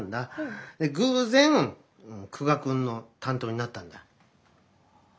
偶然久我君の担当になったんだ。